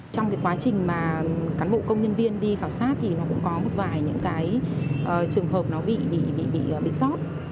trong cái quá trình mà cán bộ công nhân viên đi khảo sát thì nó cũng có một vài những cái trường hợp nó bị sốt